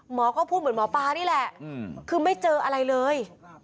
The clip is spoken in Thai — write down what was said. หมอก็พูดเหมือนหมอปลานี่แหละคือไม่เจออะไรเลย